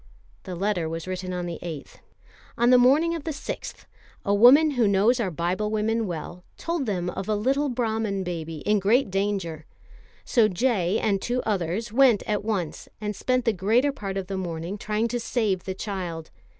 The letter was written on the 8th: "On the morning of the 6th, a woman who knows our Biblewomen well, told them of a little Brahman baby in great danger; so J. and two others went at once and spent the greater part of the morning trying to save the child.